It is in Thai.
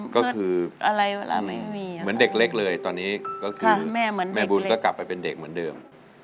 ก็คืออะไรเวลาไม่มีเหมือนเด็กเล็กเลยตอนนี้ก็คือแม่บุญก็กลับไปเป็นเด็กเหมือนเดิม